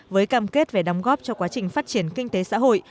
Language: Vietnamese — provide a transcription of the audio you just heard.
với cam kết về đóng góp cho quá trình phát triển kinh tế xã hội